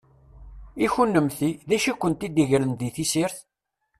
I kunemti, d acu i kwen-t-id-igren di tessirt?